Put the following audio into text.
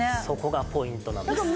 そこがポイントなんです。